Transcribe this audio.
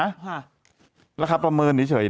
ค่ะราคาประเมินนี่เฉยน่ะ